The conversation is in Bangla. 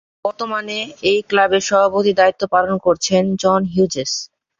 বর্তমানে এই ক্লাবের সভাপতির দায়িত্ব পালন করছেন জন হিউজেস।